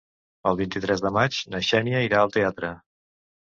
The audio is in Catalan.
El vint-i-tres de maig na Xènia irà al teatre.